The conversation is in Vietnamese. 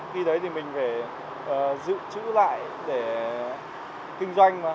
khi đấy thì mình phải giữ chữ lại để kinh doanh mà